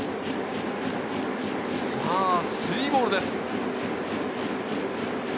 さぁ３ボールです。